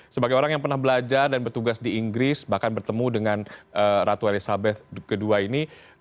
sebagai orang yang pernah belajar dan bertugas di inggris bahkan bertemu dengan ratu elizabeth ii ini